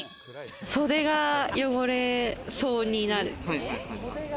袖が汚れそうになる。